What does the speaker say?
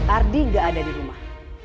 ardi gak ada di rumah